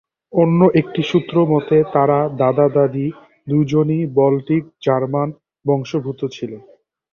অন্য একটি সূত্র মতে তার দাদা-দাদী দুজনেই বাল্টিক জার্মান বংশোদ্ভূত ছিলেন।